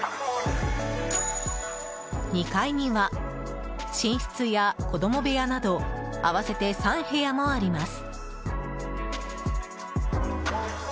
２階には、寝室や子供部屋など合わせて３部屋もあります。